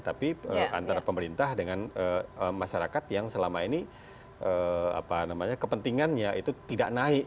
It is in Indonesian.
tapi antara pemerintah dengan masyarakat yang selama ini kepentingannya itu tidak naik